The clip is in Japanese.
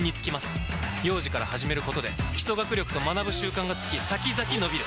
幼児から始めることで基礎学力と学ぶ習慣がつき先々のびる！